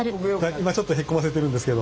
今ちょっとへっこませてるんですけど。